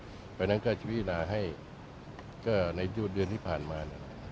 เพราะฉะนั้นก็จะพินาให้ในยุทธ์เดือนที่ผ่านมา